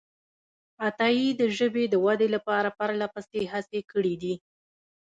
عطایي د ژبې د ودې لپاره پرلهپسې هڅې کړې دي.